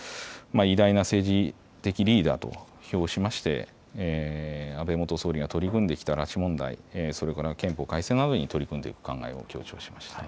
偉大な政治的リーダーと表しまして安倍元総理が取り組んできた拉致問題、それから憲法改正などに取り組んでいく考えを強調しました。